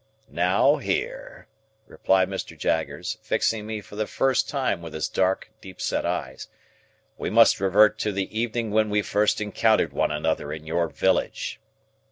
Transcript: "Now, here," replied Mr. Jaggers, fixing me for the first time with his dark deep set eyes, "we must revert to the evening when we first encountered one another in your village.